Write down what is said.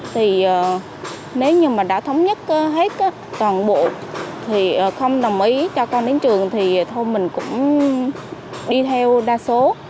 thì nếu như mà đã thống nhất hết toàn bộ thì không đồng ý cho con đến trường thì thôn mình cũng đi theo đa số